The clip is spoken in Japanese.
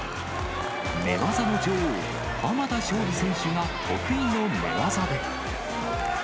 寝技の女王、浜田尚里選手が得意の寝技で。